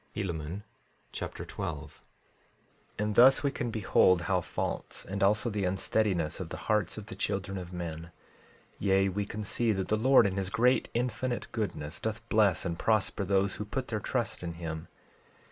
Helaman Chapter 12 12:1 And thus we can behold how false, and also the unsteadiness of the hearts of the children of men; yea, we can see that the Lord in his great infinite goodness doth bless and prosper those who put their trust in him.